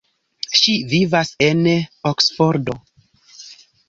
Ŝi vivas en Oksfordo.